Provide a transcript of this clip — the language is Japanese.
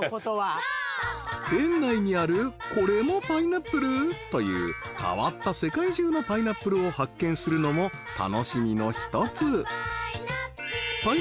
［園内にあるこれもパイナップル？という変わった世界中のパイナップルを発見するのも楽しみの一つ］